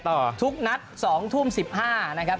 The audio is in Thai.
ทุกนัด๒ทุ่ม๑๕นะครับ